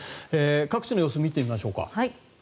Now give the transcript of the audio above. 各地の様子を見てみましょうか。